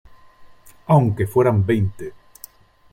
aunque fueran veinte ,